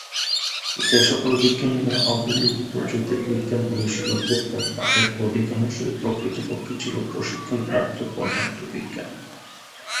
যে সকল বিজ্ঞানীরা অবলোহিত জ্যোতির্বিজ্ঞান অনুশীলন করতেন, তাঁদের অধিকাংশই প্রকৃতপক্ষে ছিল প্রশিক্ষণপ্রাপ্ত পদার্থবিজ্ঞানী।